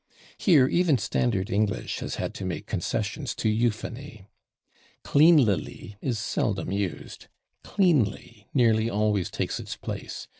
Here even standard English has had to make concessions to euphony. /Cleanlily/ is seldom used;, /cleanly/ nearly always takes its place.